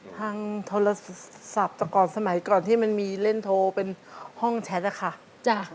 ทางโทรศัพท์แต่ก่อนสมัยก่อนที่มันมีเล่นโทรเป็นห้องแชทอะค่ะ